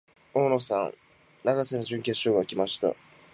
大野さん、永瀬の準決勝が来ました。